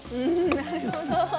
なるほど。